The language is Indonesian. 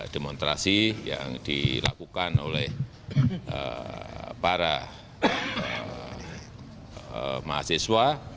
demonstrasi yang dilakukan oleh para mahasiswa